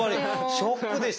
ショックですよ！